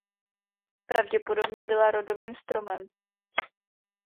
Pravděpodobně byla rodovým stromem.